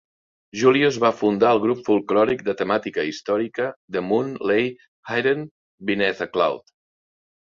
Julius va fundar el grup folklòric de temàtica històrica "The Moon Lay Hidden Beneath a Cloud".